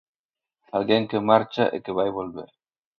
Alguén que marcha e que vai volver.